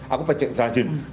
aku pencet lanjut